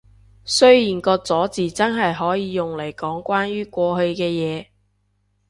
雖然個咗字真係可以用嚟講關於過去嘅嘢